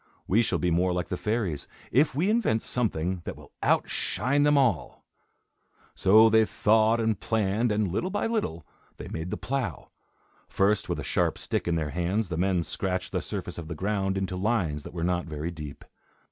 We shall be more like the fairies, if we invent something that will outshine them all." So they thought and planned, and, little by little, they made the plough. First, with a sharp stick in their hands, the men scratched the surface of the ground into lines that were not very deep.